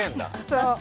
そう。